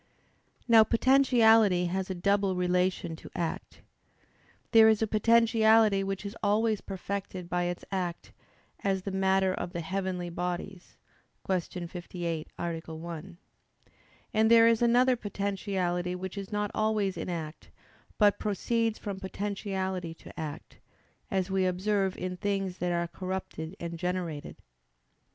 Now, potentiality has a double relation to act. There is a potentiality which is always perfected by its act: as the matter of the heavenly bodies (Q. 58, A. 1). And there is another potentiality which is not always in act, but proceeds from potentiality to act; as we observe in things that are corrupted and generated.